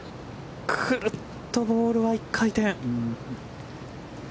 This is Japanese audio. クルッとボールは１回転。